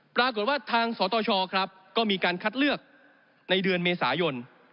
ปรากฏว่าทางสตชครับก็มีการคัดเลือกในเดือนเมษายน